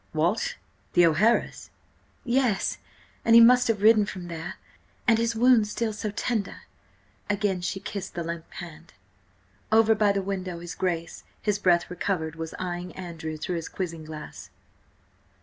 "What? The O'Haras?" "Yes–and he must have ridden from there–and his wound still so tender!" Again she kissed the limp hand. Over by the window his Grace, his breath recovered, was eyeing Andrew through his quizzing glass.